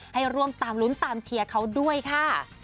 ให้ร่วมตามลุ้นตามเชียร์เขาด้วยค่ะ